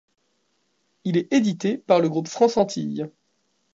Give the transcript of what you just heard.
Il est édité par le groupe France-Antilles.